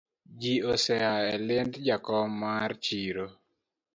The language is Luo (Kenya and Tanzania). Ji osea eliend jakom mar chiro